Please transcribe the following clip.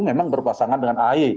memang berpasangan dengan ahy